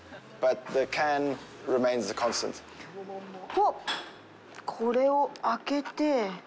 おっ、これを開けて。